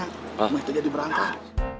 cuma itu jadi berantem